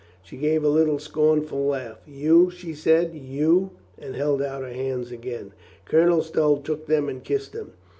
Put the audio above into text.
She gave a little scornful laugh. "You !" she she said. "You !" and held out her hands again. Colenel Stow took them and kissed them.